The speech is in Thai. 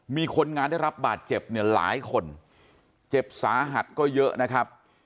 มีคนงานได้รับบาดเจ็บเนี่ยหลายคนเจ็บสาหัสก็เยอะนะครับ